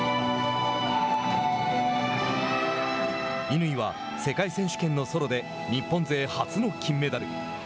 乾は、世界選手権のソロで日本勢初の金メダル。